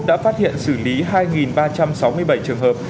đã phát hiện xử lý hai ba trăm sáu mươi bảy trường hợp